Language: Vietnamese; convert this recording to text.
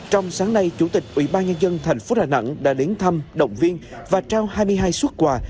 trong sáng nay chủ tịch ubnd tp đà nẵng đã đến thăm động viên và trao hai mươi hai xuất quà